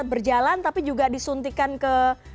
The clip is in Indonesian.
berjalan tapi juga disuntikan ke